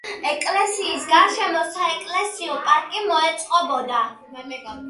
ეკლესიის გარშემო საეკლესიო პარკი მოეწყობოდა.